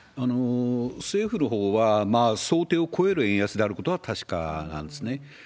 政府のほうは、想定を超える円安であることは確かなんですね。